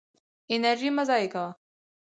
انرژي مه ضایع کوه.